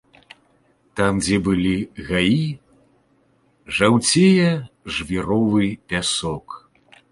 Там, дзе былі гаі, жаўцее жвіровы пясок.